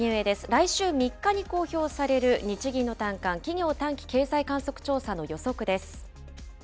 来週３日に公表される、日銀の短観・企業短期経済観測調査の予測です。